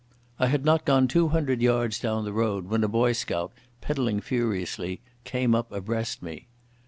I had not gone two hundred yards down the road when a boy scout, pedalling furiously, came up abreast me.